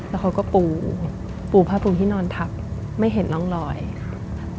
แล้วเขาก็ปูปูผ้าปูที่นอนทับไม่เห็นร่องรอยค่ะ